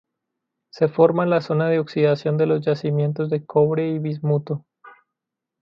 Se forma en la zona de oxidación de los yacimientos de cobre y bismuto.